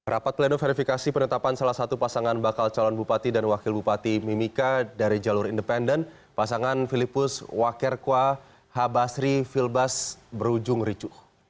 rapat pleno verifikasi penetapan salah satu pasangan bakal calon bupati dan wakil bupati mimika dari jalur independen pasangan filipus wakerkua habasri filbas berujung ricuh